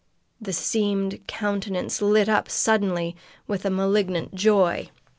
The seamed countenance lit up suddenly with a malignant joy.